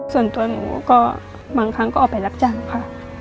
ส่วนตัวหนูก็บางครั้งก็ออกไปรับจ้างค่ะ